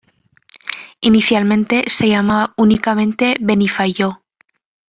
Inicialmente se llamaba únicamente Benifayó.